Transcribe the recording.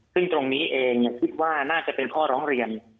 ซึ่งตรงนี้เองคิดว่าน่าจะเป็นข้อร้องเรียน